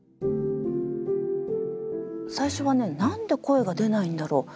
最初はね何で声が出ないんだろう。